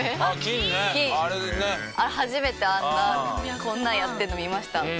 あれ初めてあんなこんなんやってるの見ました。